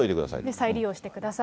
再利用してください。